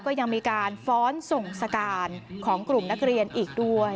ก็ยังมีการฟ้อนส่งสการของกลุ่มนักเรียนอีกด้วย